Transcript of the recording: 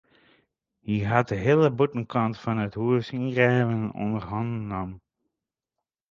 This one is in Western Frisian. Hy hat de hiele bûtenkant fan it hús yngreven ûnder hannen nommen.